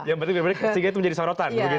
yang penting berarti ketiga itu menjadi sorotan